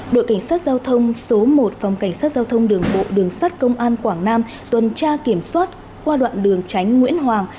đội cảnh sát giao thông số một phòng cảnh sát giao thông đường bộ đường sắt công an quảng nam tuần tra kiểm soát qua đoạn đường tránh nguyễn hoàng